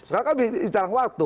sekarang kan di jangka waktu